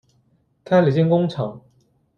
开了间工厂